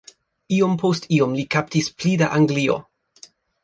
Iom post iom li kaptis pli da Anglio.